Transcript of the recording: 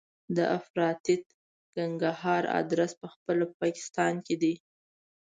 د افراطیت ګنهګار ادرس په خپله په پاکستان کې دی.